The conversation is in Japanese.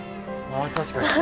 あ確かに。